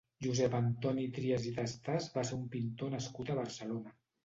Josep Antoni Trias i Tastàs va ser un pintor nascut a Barcelona.